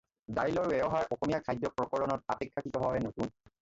ডাইলৰ ব্যৱহাৰ অসমীয়া খাদ্য প্ৰকৰণত আপেক্ষাকৃতভাৱে নতুন।